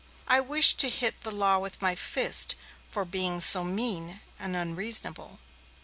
I wished to hit Law with my fist, for being so mean and unreasonable.